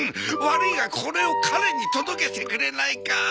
悪いがこれを彼に届けてくれないか？